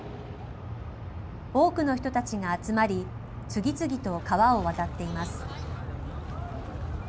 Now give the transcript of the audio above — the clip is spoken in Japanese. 多くの人たちが集まり、次々と川を渡っています。